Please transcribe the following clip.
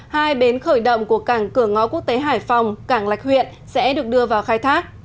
hai bến khởi động của cảng cửa ngõ quốc tế hải phòng cảng lạch huyện sẽ được đưa vào khai thác